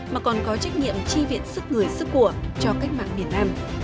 mà còn có trách nhiệm chi viện sức người sức của cho cách mạng miền nam